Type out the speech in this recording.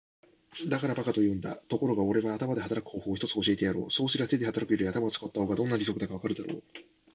「だから馬鹿と言うんだ。ところがおれは頭で働く方法を一つ教えてやろう。そうすりゃ手で働くより頭を使った方がどんなに得だかわかるだろう。」